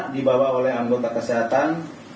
dibawa oleh anggota kesehatan